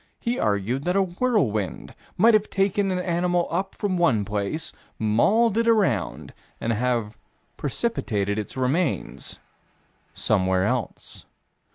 He argued that a whirlwind might have taken an animal up from one place, mauled it around, and have precipitated its remains somewhere else.